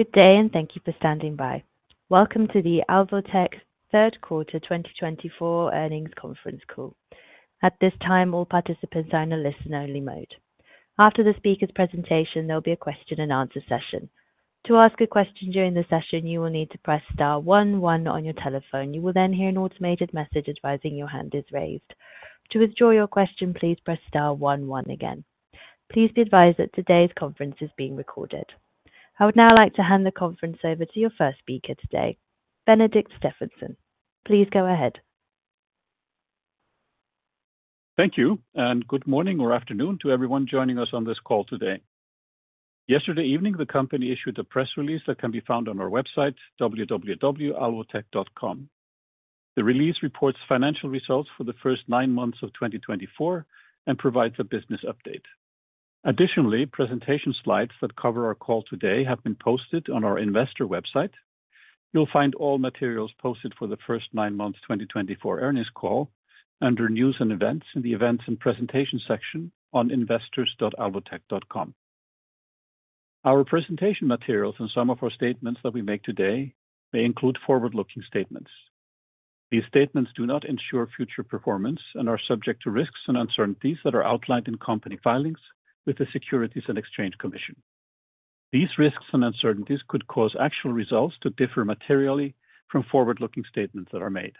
Good day, and thank you for standing by. Welcome to the Alvotech third quarter 2024 earnings conference call. At this time, all participants are in a listen-only mode. After the speaker's presentation, there will be a question-and-answer session. To ask a question during the session, you will need to press star one one on your telephone. You will then hear an automated message advising your hand is raised. To withdraw your question, please press star one one again. Please be advised that today's conference is being recorded. I would now like to hand the conference over to your first speaker today, Benedikt Stefansson. Please go ahead. Thank you, and good morning or afternoon to everyone joining us on this call today. Yesterday evening, the company issued a press release that can be found on our website, www.alvotech.com. The release reports financial results for the first nine months of 2024 and provides a business update. Additionally, presentation slides that cover our call today have been posted on our investor website. You'll find all materials posted for the first nine months' 2024 earnings call under News and Events in the Events and Presentations section on investors.alvotech.com. Our presentation materials and some of our statements that we make today may include forward-looking statements. These statements do not ensure future performance and are subject to risks and uncertainties that are outlined in company filings with the Securities and Exchange Commission. These risks and uncertainties could cause actual results to differ materially from forward-looking statements that are made.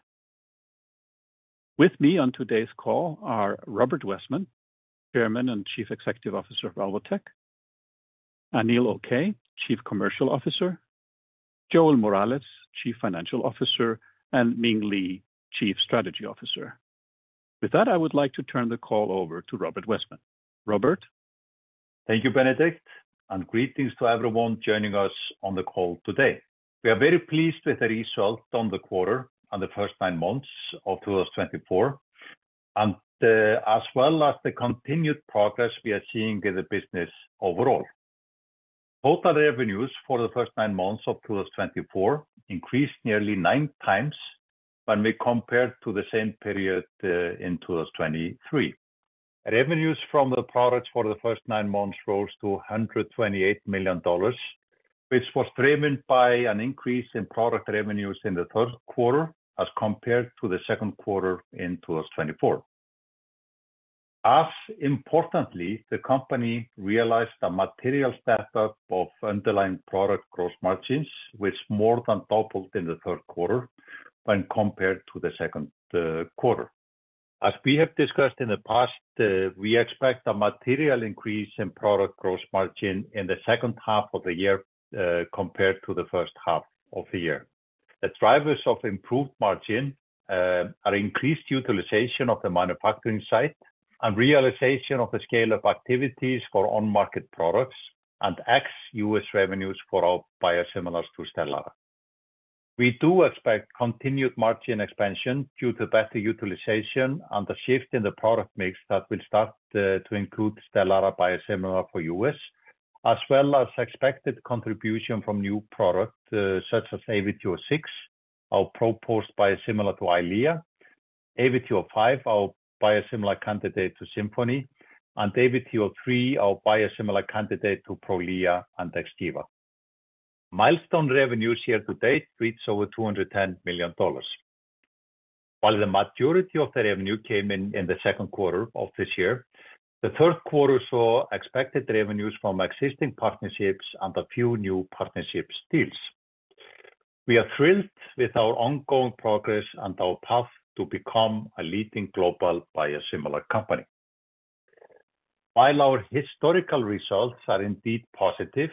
With me on today's call are Róbert Wessman, Chairman and Chief Executive Officer of Alvotech, Anil Okay, Chief Commercial Officer, Joel Morales, Chief Financial Officer, and Ming Li, Chief Strategy Officer. With that, I would like to turn the call over to Róbert Wessman. Robert. Thank you, Benedikt, and greetings to everyone joining us on the call today. We are very pleased with the result on the quarter and the first nine months of 2024, as well as the continued progress we are seeing in the business overall. Total revenues for the first nine months of 2024 increased nearly nine times when we compared to the same period in 2023. Revenues from the products for the first nine months rose to $128 million, which was driven by an increase in product revenues in the third quarter as compared to the second quarter in 2024. As importantly, the company realized a material step up of underlying product gross margins, which more than doubled in the third quarter when compared to the second quarter. As we have discussed in the past, we expect a material increase in product gross margin in the second half of the year compared to the first half of the year. The drivers of improved margin are increased utilization of the manufacturing site and realization of the scale of activities for on-market products and ex-US revenues for our biosimilars to Stelara. We do expect continued margin expansion due to better utilization and the shift in the product mix that will start to include Stelara biosimilar for U.S., as well as expected contribution from new products such as AVT06, our proposed biosimilar to Eylea, AVT05, our biosimilar candidate to Simponi, and AVT03, our biosimilar candidate to Prolia and Xgeva. Milestone revenues year-to-date reach over $210 million. While the majority of the revenue came in in the second quarter of this year, the third quarter saw expected revenues from existing partnerships and a few new partnerships deals. We are thrilled with our ongoing progress and our path to become a leading global biosimilar company. While our historical results are indeed positive,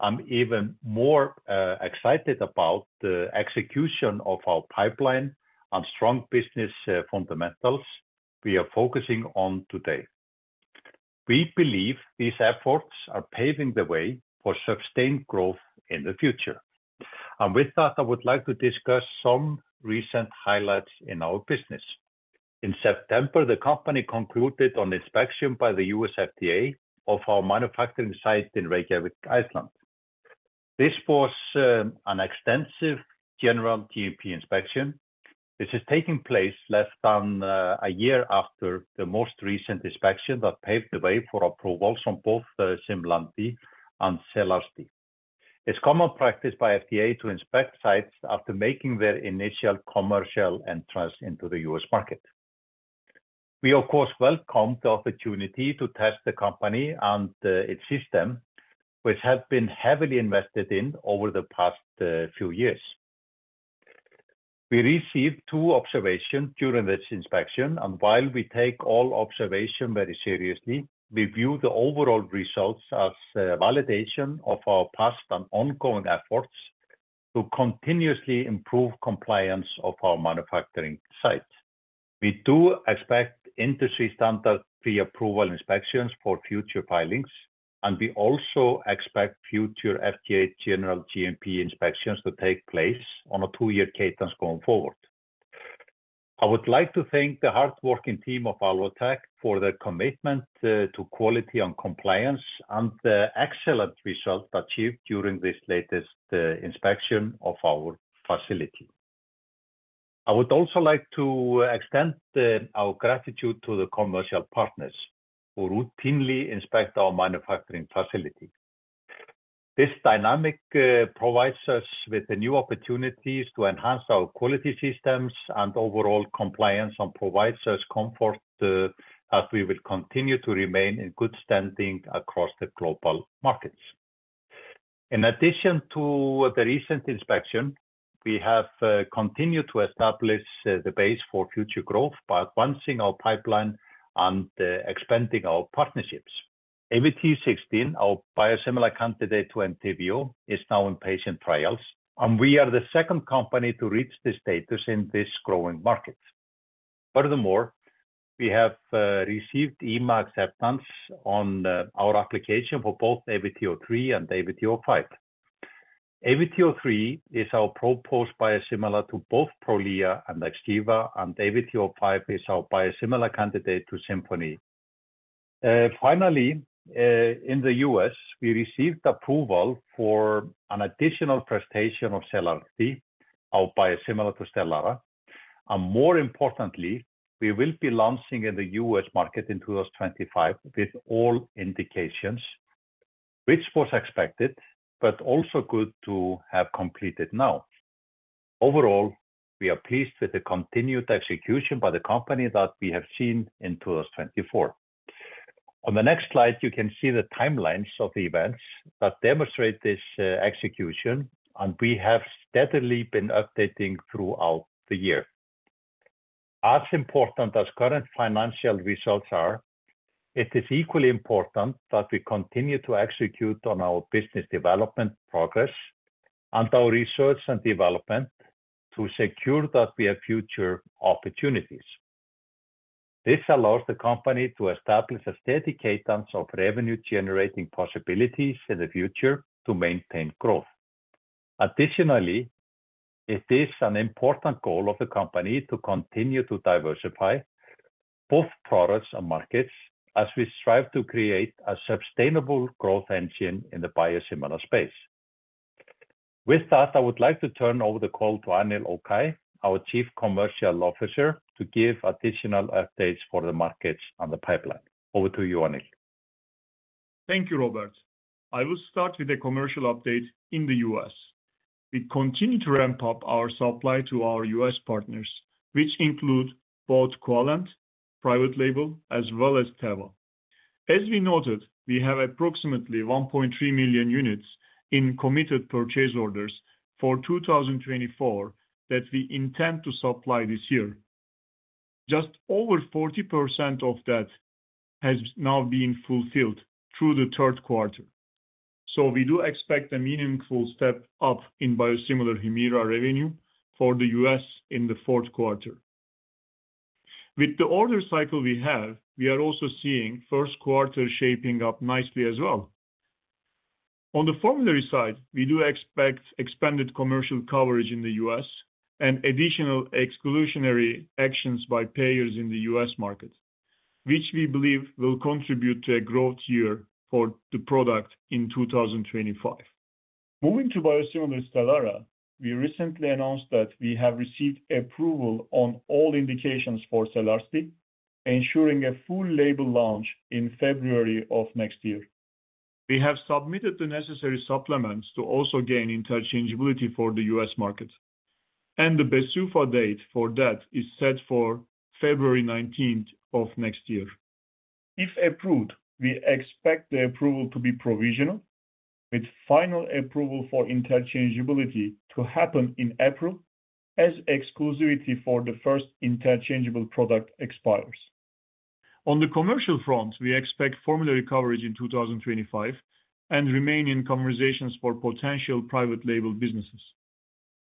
I'm even more excited about the execution of our pipeline and strong business fundamentals we are focusing on today. We believe these efforts are paving the way for sustained growth in the future. And with that, I would like to discuss some recent highlights in our business. In September, the company concluded an inspection by the U.S. FDA of our manufacturing site in Reykjavík, Iceland. This was an extensive general GMP inspection. This is taking place less than a year after the most recent inspection that paved the way for approvals on both Simlandi and Selarsdi. It's common practice by FDA to inspect sites after making their initial commercial entrance into the U.S. market. We, of course, welcome the opportunity to test the company and its system, which have been heavily invested in over the past few years. We received two observations during this inspection, and while we take all observations very seriously, we view the overall results as validation of our past and ongoing efforts to continuously improve compliance of our manufacturing site. We do expect industry-standard pre-approval inspections for future filings, and we also expect future FDA general GMP inspections to take place on a two-year cadence going forward. I would like to thank the hardworking team of Alvotech for their commitment to quality and compliance and the excellent results achieved during this latest inspection of our facility. I would also like to extend our gratitude to the commercial partners who routinely inspect our manufacturing facility. This dynamic provides us with new opportunities to enhance our quality systems and overall compliance and provides us comfort that we will continue to remain in good standing across the global markets. In addition to the recent inspection, we have continued to establish the base for future growth by advancing our pipeline and expanding our partnerships. AVT16, our biosimilar candidate to Entyvio, is now in patient trials, and we are the second company to reach this status in this growing market. Furthermore, we have received EMA acceptance on our application for both AVT03 and AVT05. AVT03 is our proposed biosimilar to both Prolia and Xgeva, and AVT05 is our biosimilar candidate to Simponi. Finally, in the U.S., we received approval for an additional presentation of Selarsdi, our biosimilar to Stelara, and more importantly, we will be launching in the U.S. market in 2025 with all indications, which was expected but also good to have completed now. Overall, we are pleased with the continued execution by the company that we have seen in 2024. On the next slide, you can see the timelines of the events that demonstrate this execution, and we have steadily been updating throughout the year. As important as current financial results are, it is equally important that we continue to execute on our business development progress and our research and development to secure that we have future opportunities. This allows the company to establish a steady cadence of revenue-generating possibilities in the future to maintain growth. Additionally, it is an important goal of the company to continue to diversify both products and markets as we strive to create a sustainable growth engine in the biosimilar space. With that, I would like to turn over the call to Anil Okay, our Chief Commercial Officer, to give additional updates for the markets and the pipeline. Over to you, Anil. Thank you, Róbert. I will start with a commercial update in the U.S. We continue to ramp up our supply to our U.S. partners, which include both Quallent, private label, as well as Teva. As we noted, we have approximately 1.3 million units in committed purchase orders for 2024 that we intend to supply this year. Just over 40% of that has now been fulfilled through the third quarter. So we do expect a meaningful step up in biosimilar Humira revenue for the U.S. in the fourth quarter. With the order cycle we have, we are also seeing first quarter shaping up nicely as well. On the formulary side, we do expect expanded commercial coverage in the U.S. and additional exclusionary actions by payers in the U.S. market, which we believe will contribute to a growth year for the product in 2025. Moving to biosimilar Stelara, we recently announced that we have received approval on all indications for Selarsdi, ensuring a full label launch in February of next year. We have submitted the necessary supplements to also gain interchangeability for the U.S. market, and the BsUFA date for that is set for February 19th of next year. If approved, we expect the approval to be provisional, with final approval for interchangeability to happen in April as exclusivity for the first interchangeable product expires. On the commercial front, we expect formulary coverage in 2025 and remain in conversations for potential private label businesses.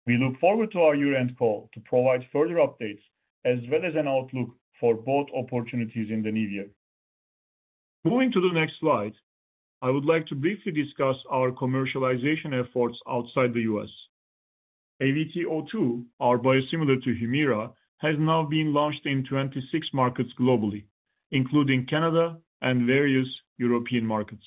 We look forward to our year-end call to provide further updates as well as an outlook for both opportunities in the new year. Moving to the next slide, I would like to briefly discuss our commercialization efforts outside the U.S. AVT02, our biosimilar to Humira, has now been launched in 26 markets globally, including Canada and various European markets.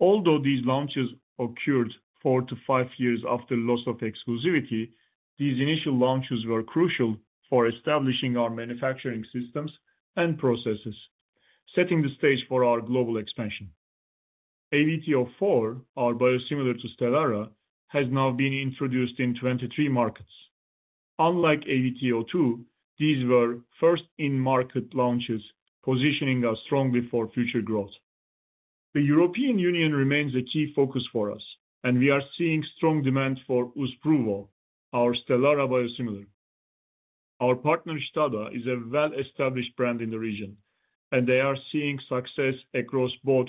Although these launches occurred four to five years after loss of exclusivity, these initial launches were crucial for establishing our manufacturing systems and processes, setting the stage for our global expansion. AVT04, our biosimilar to Stelara, has now been introduced in 23 markets. Unlike AVT02, these were first-in-market launches, positioning us strongly for future growth. The European Union remains a key focus for us, and we are seeing strong demand for Uzpruvo, our Stelara biosimilar. Our partner STADA is a well-established brand in the region, and they are seeing success across both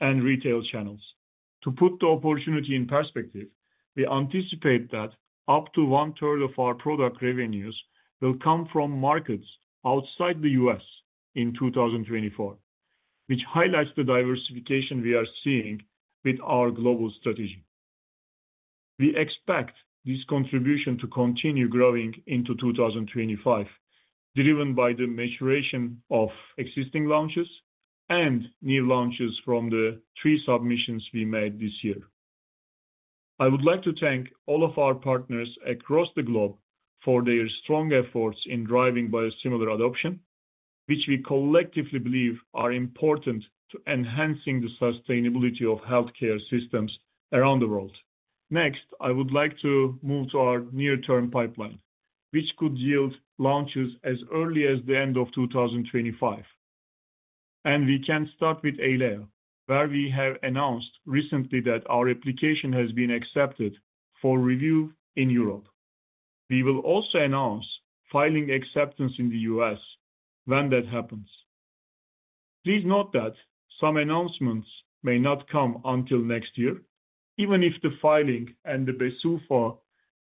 tender and retail channels. To put the opportunity in perspective, we anticipate that up to 1/3 of our product revenues will come from markets outside the U.S. in 2024, which highlights the diversification we are seeing with our global strategy. We expect this contribution to continue growing into 2025, driven by the maturation of existing launches and new launches from the three submissions we made this year. I would like to thank all of our partners across the globe for their strong efforts in driving biosimilar adoption, which we collectively believe are important to enhancing the sustainability of healthcare systems around the world. Next, I would like to move to our near-term pipeline, which could yield launches as early as the end of 2025, and we can start with Eylea, where we have announced recently that our application has been accepted for review in Europe. We will also announce filing acceptance in the U.S. when that happens. Please note that some announcements may not come until next year, even if the filing and the BsUFA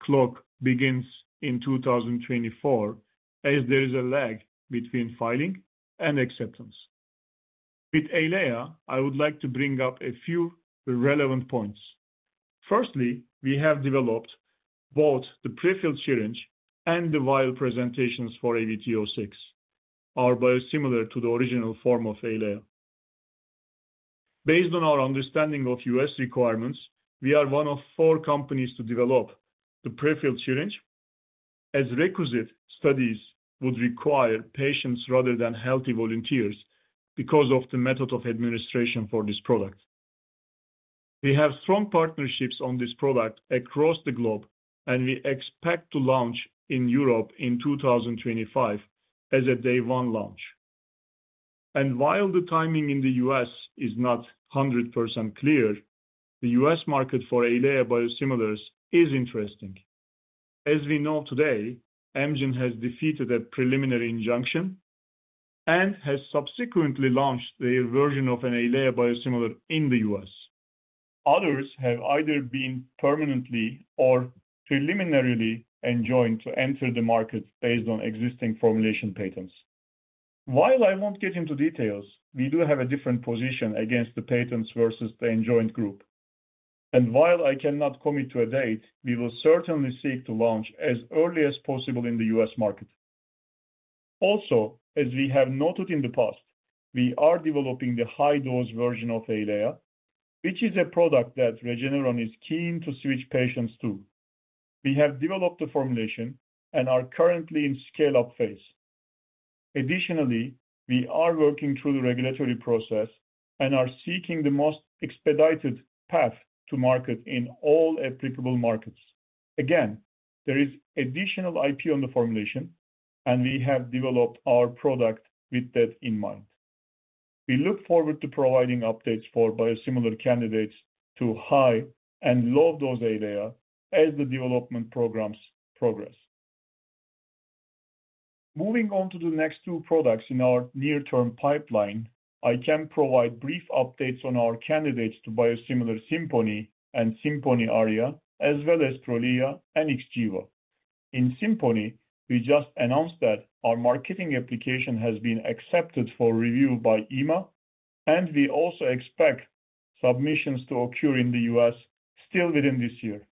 clock begins in 2024, as there is a lag between filing and acceptance. With Eylea, I would like to bring up a few relevant points. Firstly, we have developed both the prefilled syringe and the vial presentations for AVT06, our biosimilar to the original form of Eylea. Based on our understanding of U.S. requirements, we are one of four companies to develop the prefilled syringe, as requisite studies would require patients rather than healthy volunteers because of the method of administration for this product. We have strong partnerships on this product across the globe, and we expect to launch in Europe in 2025 as a day-one launch. While the timing in the U.S. is not 100% clear, the U.S. market for Eylea biosimilars is interesting. As we know today, Amgen has defeated a preliminary injunction and has subsequently launched their version of an Eylea biosimilar in the U.S. Others have either been permanently or preliminarily enjoined to enter the market based on existing formulation patents. While I won't get into details, we do have a different position against the patents versus the enjoined group. While I cannot commit to a date, we will certainly seek to launch as early as possible in the U.S. market. Also, as we have noted in the past, we are developing the high-dose version of Eylea, which is a product that Regeneron is keen to switch patients to. We have developed the formulation and are currently in scale-up phase. Additionally, we are working through the regulatory process and are seeking the most expedited path to market in all applicable markets. Again, there is additional IP on the formulation, and we have developed our product with that in mind. We look forward to providing updates for biosimilar candidates to high and low-dose Eylea as the development programs progress. Moving on to the next two products in our near-term pipeline, I can provide brief updates on our candidates to biosimilars Simponi and Simponi Aria, as well as Prolia and Xgeva. In Simponi, we just announced that our marketing application has been accepted for review by EMA, and we also expect submissions to occur in the U.S. still within this year.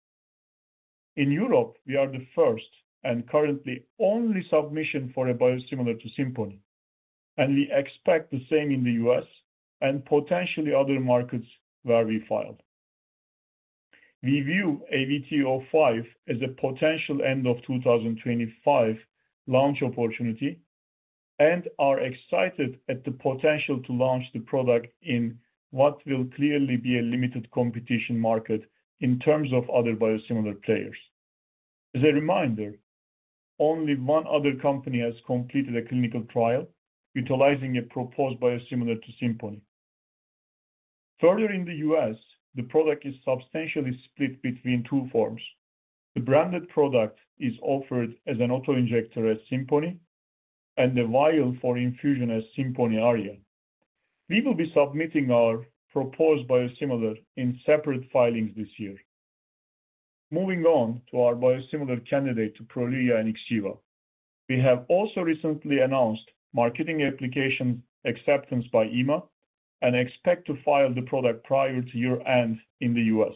In Europe, we are the first and currently only submission for a biosimilar to Simponi, and we expect the same in the US and potentially other markets where we filed. We view AVT05 as a potential end-of-2025 launch opportunity and are excited at the potential to launch the product in what will clearly be a limited competition market in terms of other biosimilar players. As a reminder, only one other company has completed a clinical trial utilizing a proposed biosimilar to Simponi. Further, in the U.S., the product is substantially split between two forms. The branded product is offered as an autoinjector as Simponi and the vial for infusion as Simponi Aria. We will be submitting our proposed biosimilar in separate filings this year. Moving on to our biosimilar candidate to Prolia and Xgeva, we have also recently announced marketing application acceptance by EMA and expect to file the product prior to year-end in the US.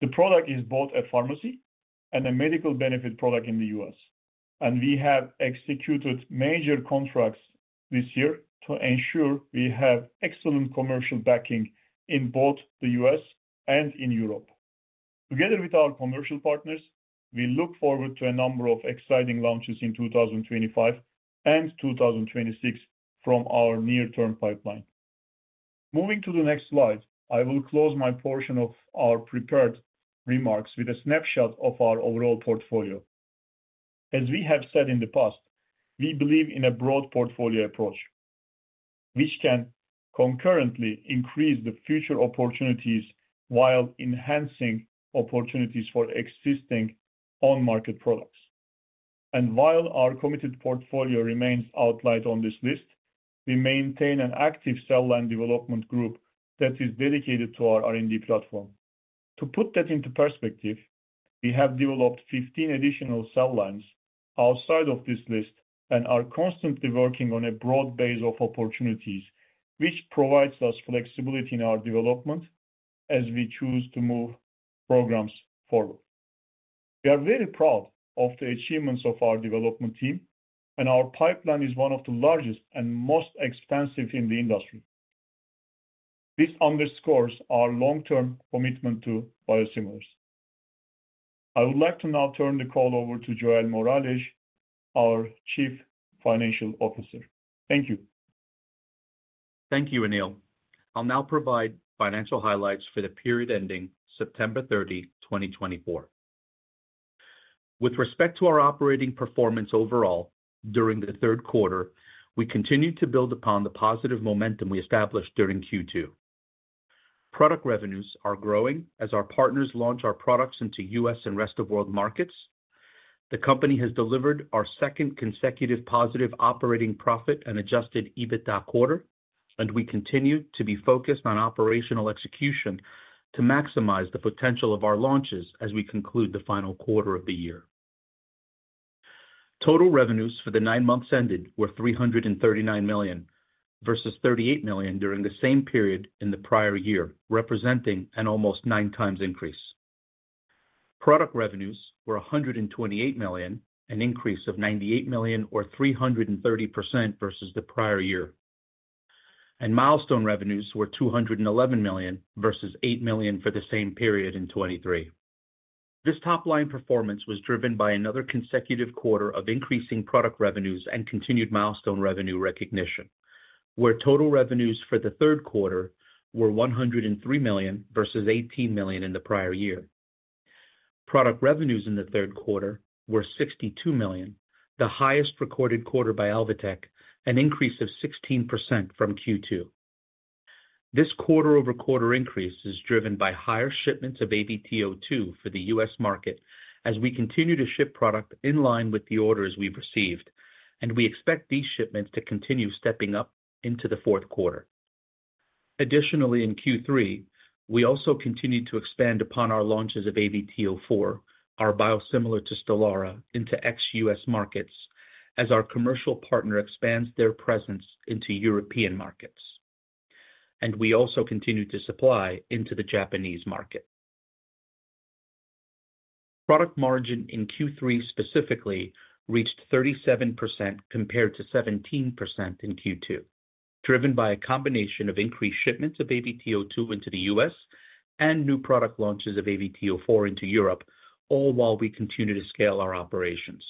The product is both a pharmacy and a medical benefit product in the U.S., and we have executed major contracts this year to ensure we have excellent commercial backing in both the U.S. and in Europe. Together with our commercial partners, we look forward to a number of exciting launches in 2025 and 2026 from our near-term pipeline. Moving to the next slide, I will close my portion of our prepared remarks with a snapshot of our overall portfolio. As we have said in the past, we believe in a broad portfolio approach, which can concurrently increase the future opportunities while enhancing opportunities for existing on-market products. And while our committed portfolio remains outlined on this list, we maintain an active cell line development group that is dedicated to our R&D platform. To put that into perspective, we have developed 15 additional cell lines outside of this list and are constantly working on a broad base of opportunities, which provides us flexibility in our development as we choose to move programs forward. We are very proud of the achievements of our development team, and our pipeline is one of the largest and most expansive in the industry. This underscores our long-term commitment to biosimilars. I would like to now turn the call over to Joel Morales, our Chief Financial Officer. Thank you. Thank you, Anil. I'll now provide financial highlights for the period ending September 30, 2024. With respect to our operating performance overall during the third quarter, we continue to build upon the positive momentum we established during Q2. Product revenues are growing as our partners launch our products into U.S. and rest of world markets. The company has delivered our second consecutive positive operating profit and Adjusted EBITDA quarter, and we continue to be focused on operational execution to maximize the potential of our launches as we conclude the final quarter of the year. Total revenues for the nine months ended were $339 million versus $38 million during the same period in the prior year, representing an almost nine-times increase. Product revenues were $128 million, an increase of $98 million, or 330% versus the prior year. Milestone revenues were $211 million versus $8 million for the same period in 2023. This top-line performance was driven by another consecutive quarter of increasing product revenues and continued milestone revenue recognition, where total revenues for the third quarter were $103 million versus $18 million in the prior year. Product revenues in the third quarter were $62 million, the highest recorded quarter by Alvotech, an increase of 16% from Q2. This quarter-over-quarter increase is driven by higher shipments of AVT02 for the U.S. market as we continue to ship product in line with the orders we've received, and we expect these shipments to continue stepping up into the fourth quarter. Additionally, in Q3, we also continued to expand upon our launches of AVT04, our biosimilar to Stelara, into ex-U.S. markets as our commercial partner expands their presence into European markets. We also continue to supply into the Japanese market. Product margin in Q3 specifically reached 37% compared to 17% in Q2, driven by a combination of increased shipments of AVT02 into the US and new product launches of AVT04 into Europe, all while we continue to scale our operations.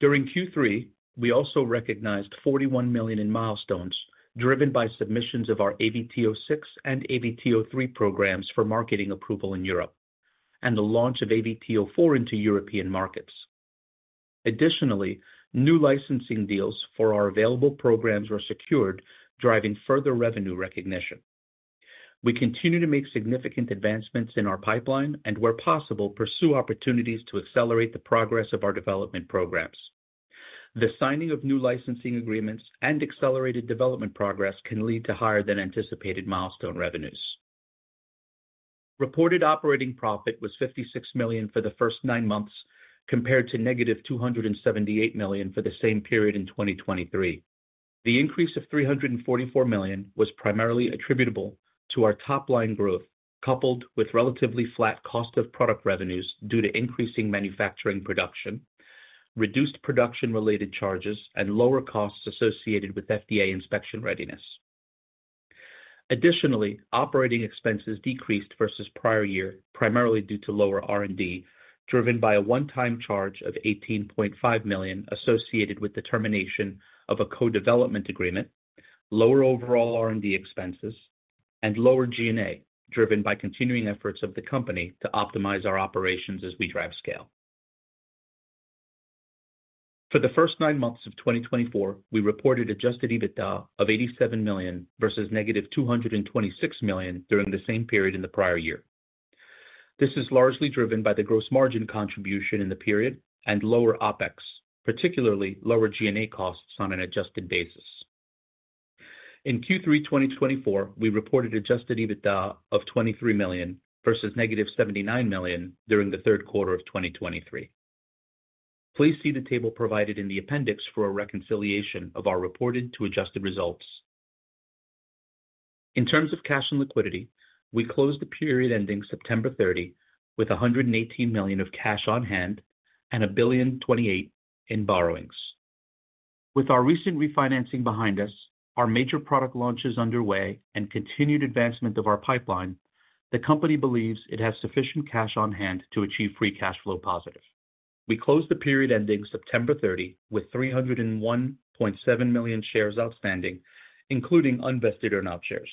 During Q3, we also recognized $41 million in milestones driven by submissions of our AVT06 and AVT03 programs for marketing approval in Europe and the launch of AVT04 into European markets. Additionally, new licensing deals for our available programs were secured, driving further revenue recognition. We continue to make significant advancements in our pipeline and, where possible, pursue opportunities to accelerate the progress of our development programs. The signing of new licensing agreements and accelerated development progress can lead to higher-than-anticipated milestone revenues. Reported operating profit was $56 million for the first nine months compared to negative $278 million for the same period in 2023. The increase of $344 million was primarily attributable to our top-line growth coupled with relatively flat cost of product revenues due to increasing manufacturing production, reduced production-related charges, and lower costs associated with FDA inspection readiness. Additionally, operating expenses decreased versus prior year, primarily due to lower R&D driven by a one-time charge of $18.5 million associated with the termination of a co-development agreement, lower overall R&D expenses, and lower G&A driven by continuing efforts of the company to optimize our operations as we drive scale. For the first nine months of 2024, we reported Adjusted EBITDA of $87 million versus negative $226 million during the same period in the prior year. This is largely driven by the gross margin contribution in the period and lower OpEx, particularly lower G&A costs on an adjusted basis. In Q3 2024, we reported adjusted EBITDA of $23 million versus negative $79 million during the third quarter of 2023. Please see the table provided in the appendix for a reconciliation of our reported to adjusted results. In terms of cash and liquidity, we closed the period ending September 30 with $118 million of cash on hand and $1.28 billion in borrowings. With our recent refinancing behind us, our major product launches underway, and continued advancement of our pipeline, the company believes it has sufficient cash on hand to achieve free cash flow positive. We closed the period ending September 30 with $301.7 million shares outstanding, including unvested RSUs.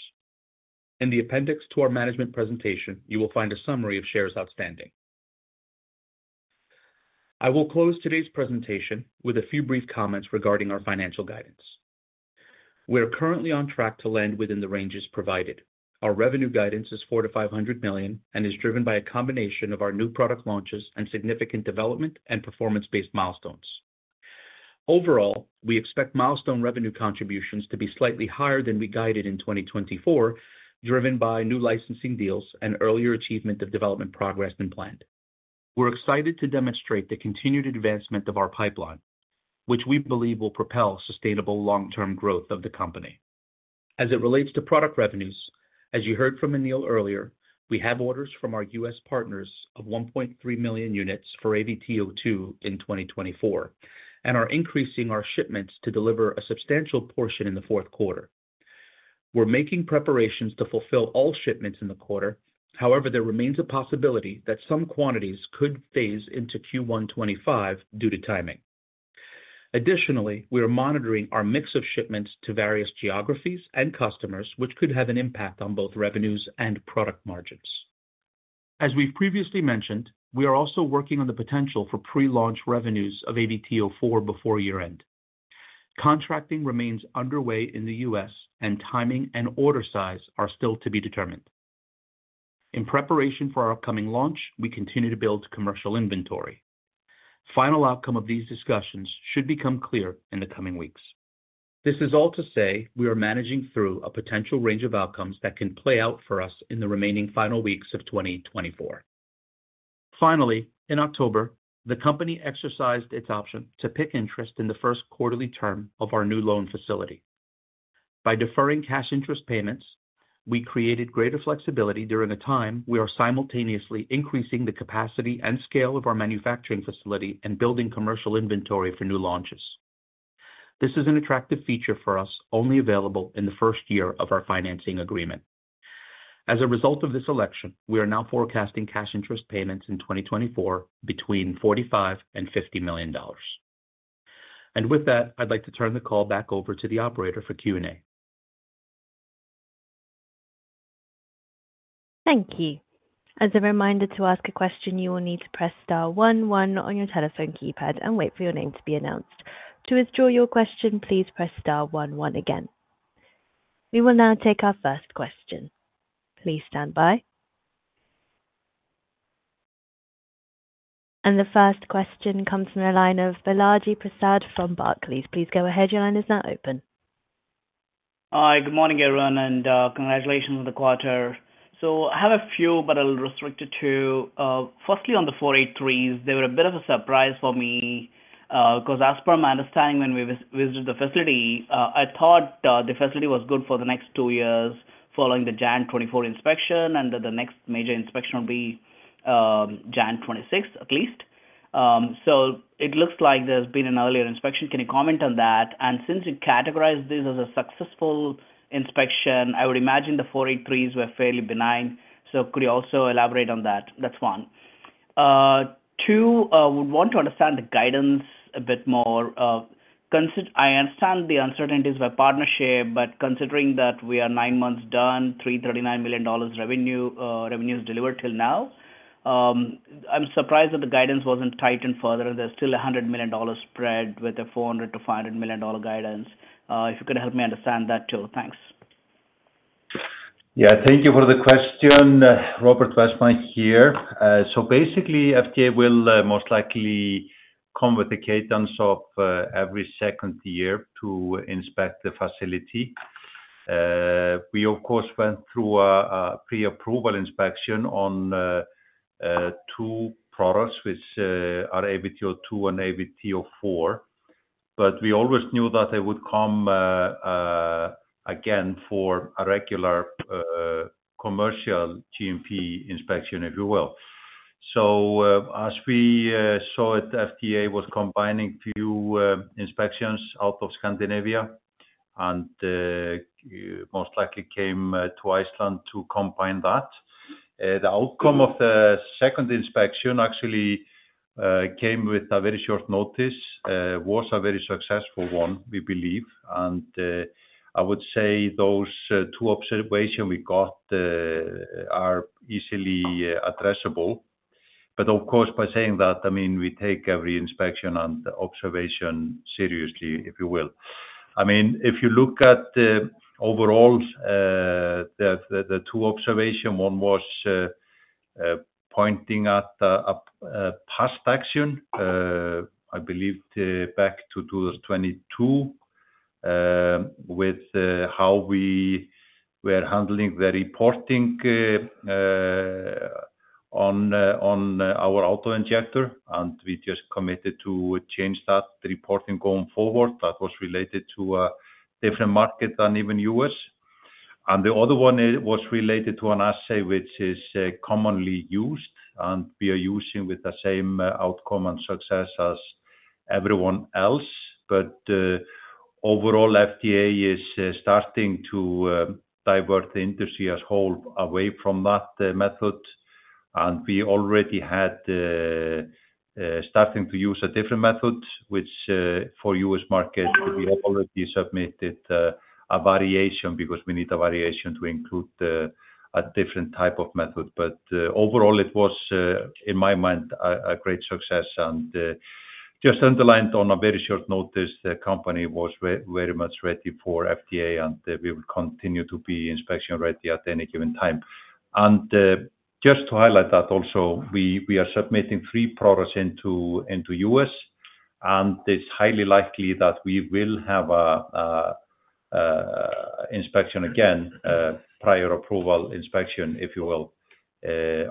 In the appendix to our management presentation, you will find a summary of shares outstanding. I will close today's presentation with a few brief comments regarding our financial guidance. We are currently on track to land within the ranges provided. Our revenue guidance is $400 million-$500 million and is driven by a combination of our new product launches and significant development and performance-based milestones. Overall, we expect milestone revenue contributions to be slightly higher than we guided in 2024, driven by new licensing deals and earlier achievement of development progress than planned. We're excited to demonstrate the continued advancement of our pipeline, which we believe will propel sustainable long-term growth of the company. As it relates to product revenues, as you heard from Anil earlier, we have orders from our US partners of 1.3 million units for AVT02 in 2024 and are increasing our shipments to deliver a substantial portion in the fourth quarter. We're making preparations to fulfill all shipments in the quarter. However, there remains a possibility that some quantities could phase into Q1 2025 due to timing. Additionally, we are monitoring our mix of shipments to various geographies and customers, which could have an impact on both revenues and product margins. As we've previously mentioned, we are also working on the potential for pre-launch revenues of AVT04 before year-end. Contracting remains underway in the U.S., and timing and order size are still to be determined. In preparation for our upcoming launch, we continue to build commercial inventory. Final outcome of these discussions should become clear in the coming weeks. This is all to say we are managing through a potential range of outcomes that can play out for us in the remaining final weeks of 2024. Finally, in October, the company exercised its option to PIK interest in the first quarterly term of our new loan facility. By deferring cash interest payments, we created greater flexibility during a time we are simultaneously increasing the capacity and scale of our manufacturing facility and building commercial inventory for new launches. This is an attractive feature for us, only available in the first year of our financing agreement. As a result of this election, we are now forecasting cash interest payments in 2024 between $45 million and $50 million. And with that, I'd like to turn the call back over to the operator for Q&A. Thank you. As a reminder to ask a question, you will need to press star one one on your telephone keypad and wait for your name to be announced. To withdraw your question, please press star one one again. We will now take our first question. Please stand by, and the first question comes from the line of Balaji Prasad from Barclays. Please go ahead. Your line is now open. Hi, good morning, everyone, and congratulations on the quarter. So I have a few, but I'll restrict it to, firstly, on the 483s. They were a bit of a surprise for me because, as per my understanding, when we visited the facility, I thought the facility was good for the next two years following the January 2024 inspection, and the next major inspection will be January 2026, at least. So it looks like there's been an earlier inspection. Can you comment on that? And since you categorize this as a successful inspection, I would imagine the 483s were fairly benign. So could you also elaborate on that? That's one. Two, I would want to understand the guidance a bit more. I understand the uncertainties in partnership, but considering that we are nine months done, $339 million revenues delivered till now, I'm surprised that the guidance wasn't tightened further, and there's still a $100 million spread with a $400 lmilion-$500 million guidance. If you could help me understand that too. Thanks. Yeah, thank you for the question. Róbert Wessman here. So basically, FDA will most likely come with the cadence of every second year to inspect the facility. We, of course, went through a pre-approval inspection on two products, which are AVT02 and AVT04, but we always knew that they would come again for a regular commercial GMP inspection, if you will. So as we saw it, FDA was combining a few inspections out of Scandinavia and most likely came to Iceland to combine that. The outcome of the second inspection actually came with a very short notice. It was a very successful one, we believe. And I would say those two observations we got are easily addressable. But of course, by saying that, I mean, we take every inspection and observation seriously, if you will. I mean, if you look at overall, the two observations, one was pointing at past action, I believe, back to 2022, with how we were handling the reporting on our autoinjector, and we just committed to change that reporting going forward. That was related to a different market than even the U.S., and the other one was related to an assay, which is commonly used, and we are using with the same outcome and success as everyone else. But overall, FDA is starting to divert the industry as a whole away from that method, and we already had starting to use a different method, which for the U.S. market, we have already submitted a variation because we need a variation to include a different type of method. But overall, it was, in my mind, a great success and just underlined on a very short notice, the company was very much ready for FDA, and we will continue to be inspection ready at any given time. And just to highlight that also, we are submitting three products into the U.S., and it's highly likely that we will have an inspection again, prior approval inspection, if you will,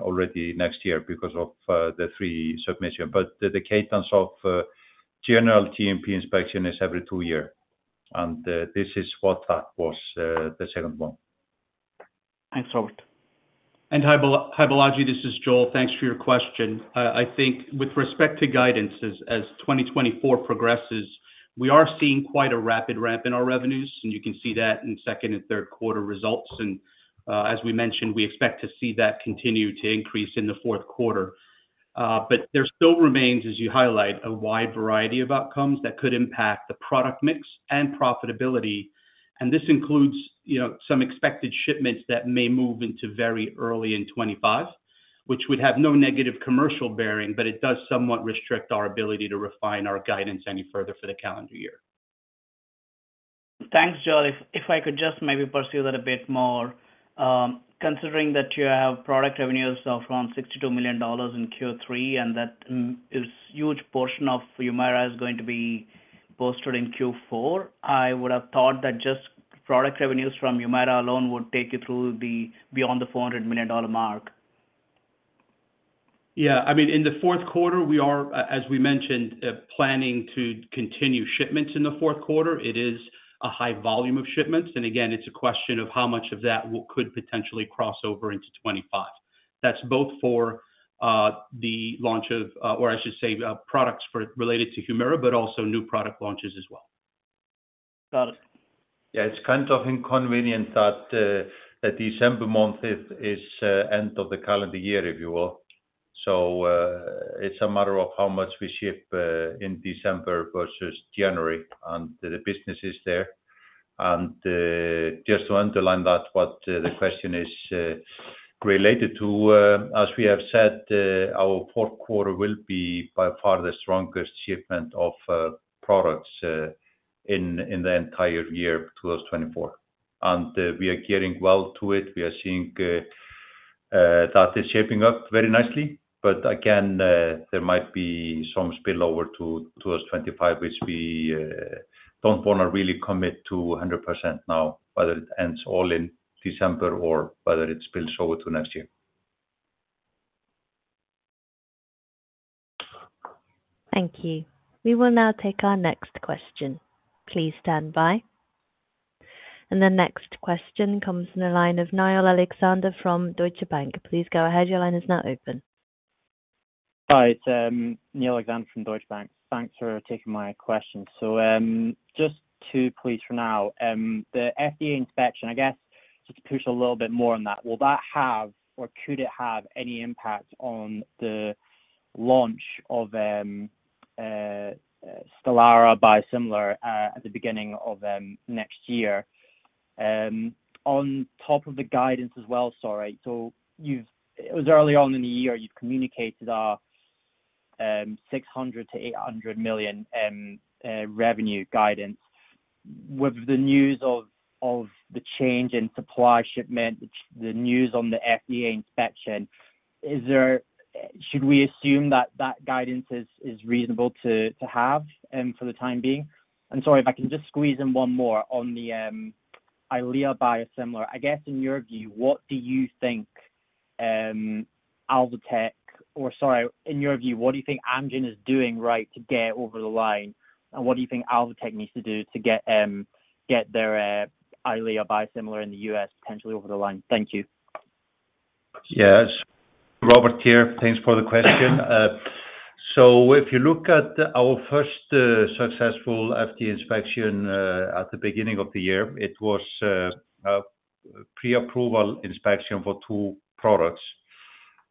already next year because of the three submissions. But the cadence of general GMP inspection is every two years. And this is what that was, the second one. Thanks, Róbert. Hi, Balaji. This is Joel. Thanks for your question. I think with respect to guidance, as 2024 progresses, we are seeing quite a rapid ramp in our revenues, and you can see that in second and third quarter results. And as we mentioned, we expect to see that continue to increase in the fourth quarter. But there still remains, as you highlight, a wide variety of outcomes that could impact the product mix and profitability. And this includes some expected shipments that may move into very early in 2025, which would have no negative commercial bearing, but it does somewhat restrict our ability to refine our guidance any further for the calendar year. Thanks, Joel. If I could just maybe pursue that a bit more, considering that you have product revenues of around $62 million in Q3 and that a huge portion of Humira is going to be posted in Q4, I would have thought that just product revenues from Humira alone would take you through beyond the $400 million mark. Yeah. I mean, in the fourth quarter, we are, as we mentioned, planning to continue shipments in the fourth quarter. It is a high volume of shipments. And again, it's a question of how much of that could potentially cross over into 2025. That's both for the launch of, or I should say, products related to Humira, but also new product launches as well. Got it. Yeah, it's kind of inconvenient that December month is the end of the calendar year, if you will. So it's a matter of how much we ship in December versus January and the business is there. And just to underline that, what the question is related to, as we have said, our fourth quarter will be by far the strongest shipment of products in the entire year 2024. And we are gearing well to it. We are seeing that it's shaping up very nicely. But again, there might be some spillover to 2025, which we don't want to really commit to 100% now, whether it ends all in December or whether it spills over to next year. Thank you. We will now take our next question. Please stand by, and the next question comes from the line of Niall Alexander from Deutsche Bank. Please go ahead. Your line is now open. Hi, it's Niall Alexander from Deutsche Bank. Thanks for taking my question. So just two points for now. The FDA inspection, I guess, just to push a little bit more on that, will that have or could it have any impact on the launch of Stelara biosimilar at the beginning of next year? On top of the guidance as well, sorry, so it was early on in the year, you've communicated our $600-800 million revenue guidance. With the news of the change in supply shipment, the news on the FDA inspection, should we assume that that guidance is reasonable to have for the time being? And sorry, if I can just squeeze in one more on the Eylea biosimilar. I guess in your view, what do you think Alvotech or sorry, in your view, what do you think Amgen is doing right to get over the line? What do you think Alvotech needs to do to get their Eylea biosimilar in the U.S. potentially over the line? Thank you. Yeah. Róbert here. Thanks for the question. So if you look at our first successful FDA inspection at the beginning of the year, it was a pre-approval inspection for two products.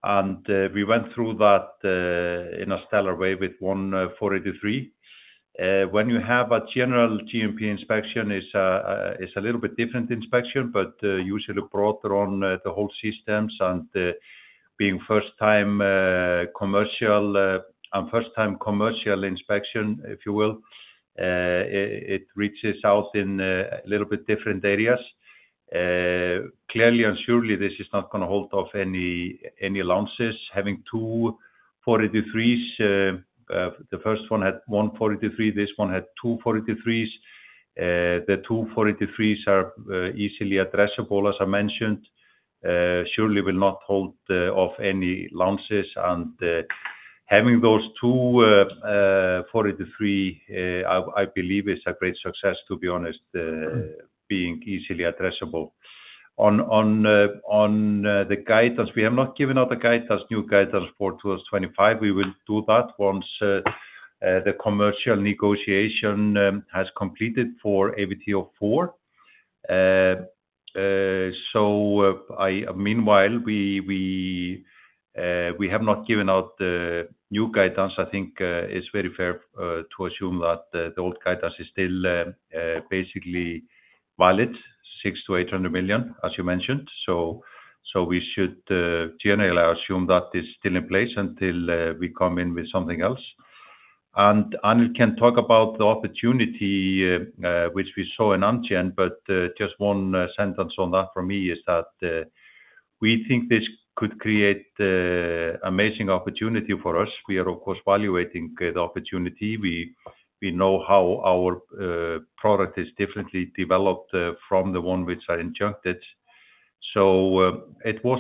And we went through that in a stellar way with one 483. When you have a general GMP inspection, it's a little bit different inspection, but usually brought on the whole systems. And being first-time commercial and first-time commercial inspection, if you will, it reaches out in a little bit different areas. Clearly and surely, this is not going to hold off any launches. Having two 483s, the first one had one 483, this one had two 483s. The two 483s are easily addressable, as I mentioned. Surely will not hold off any launches. And having those two 483, I believe, is a great success, to be honest, being easily addressable. On the guidance, we have not given out a new guidance for 2025. We will do that once the commercial negotiation has completed for AVT04. Meanwhile, we have not given out the new guidance. I think it's very fair to assume that the old guidance is still basically valid, $600 million-$800 million, as you mentioned. We should generally assume that it's still in place until we come in with something else. We can talk about the opportunity which we saw in Amgen, but just one sentence on that for me is that we think this could create an amazing opportunity for us. We are, of course, evaluating the opportunity. We know how our product is differently developed from the one which are injected. It was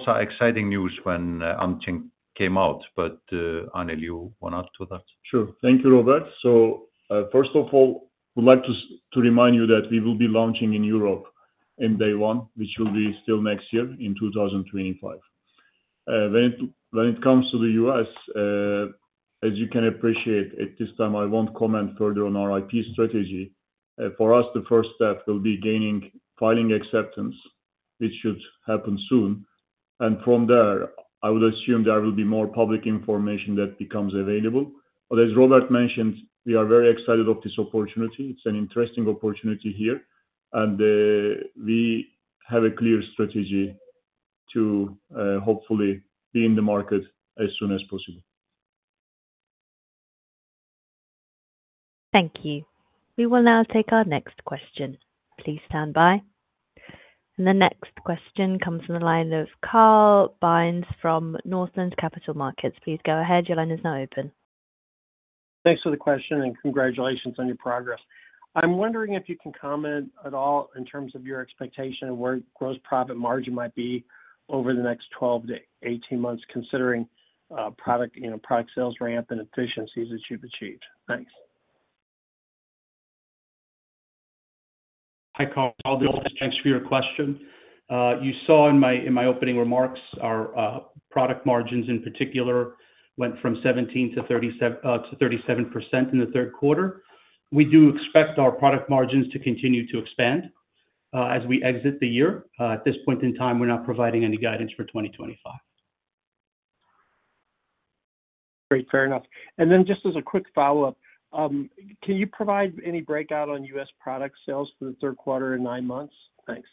exciting news when Amgen came out, but Anil, you want to add to that? Sure. Thank you, Róbert. So first of all, I would like to remind you that we will be launching in Europe in day one, which will be still next year in 2025. When it comes to the U.S., as you can appreciate, at this time, I won't comment further on our IP strategy. For us, the first step will be gaining filing acceptance, which should happen soon. And from there, I would assume there will be more public information that becomes available. But as Róbert mentioned, we are very excited about this opportunity. It's an interesting opportunity here. And we have a clear strategy to hopefully be in the market as soon as possible. Thank you. We will now take our next question. Please stand by. And the next question comes from the line of Carl Byrnes from Northland Capital Markets. Please go ahead. Your line is now open. Thanks for the question and congratulations on your progress. I'm wondering if you can comment at all in terms of your expectation of where gross profit margin might be over the next 12-18 months, considering product sales ramp and efficiencies that you've achieved? Thanks. Hi, Carl. Thanks for your question. You saw in my opening remarks, our product margins in particular went from 17%-37% in the third quarter. We do expect our product margins to continue to expand as we exit the year. At this point in time, we're not providing any guidance for 2025. Great. Fair enough. And then just as a quick follow-up, can you provide any breakout on U.S. product sales for the third quarter in nine months? Thanks.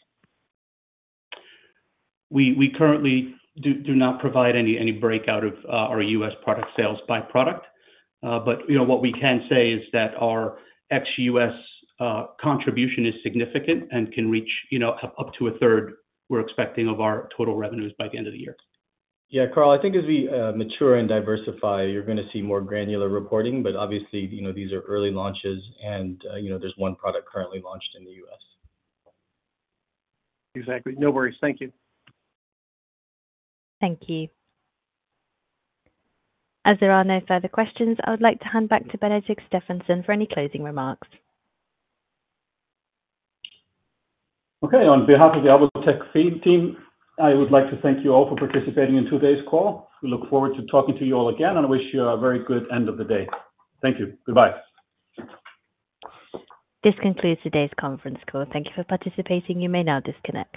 We currently do not provide any breakout of our U.S. product sales by product, but what we can say is that our ex-U.S. contribution is significant and can reach up to a third we're expecting of our total revenues by the end of the year. Yeah, Carl. I think as we mature and diversify, you're going to see more granular reporting. But obviously, these are early launches, and there's one product currently launched in the U.S. Exactly. No worries. Thank you. Thank you. As there are no further questions, I would like to hand back to Benedikt Stefansson for any closing remarks. Okay. On behalf of the Alvotech Field Team, I would like to thank you all for participating in today's call. We look forward to talking to you all again, and I wish you a very good end of the day. Thank you. Goodbye. This concludes today's conference call. Thank you for participating. You may now disconnect.